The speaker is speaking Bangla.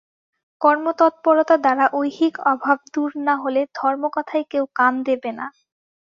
কর্মতৎপরতা দ্বারা ঐহিক অভাব দূর না হলে ধর্ম-কথায় কেউ কান দেবে না।